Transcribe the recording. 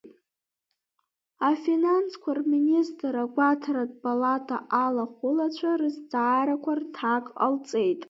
Афинансқәа рминистр Агәаҭаратә палата алахәылацәа рызҵаарақәа рҭак ҟалҵеит.